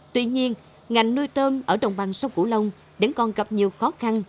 tuy nhiên ngành nuôi tôm ở đồng bằng sông củ lông vẫn còn gặp nhiều khó khăn